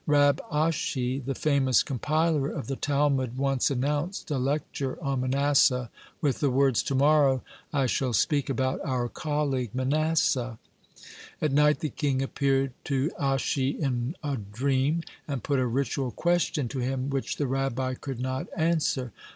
Rab Ashi, the famous compiler of the Talmud, once announced a lecture on Manasseh with the words: "To morrow I shall speak about our colleague Manasseh." At night the king appeared to Ashi in a dreams, and put a ritual question to him, which the Rabbi could not answer.